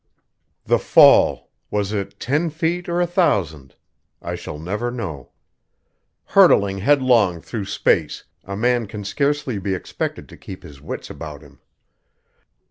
The fall was it ten feet or a thousand? I shall never know. Hurtling headlong through space, a man can scarcely be expected to keep his wits about him.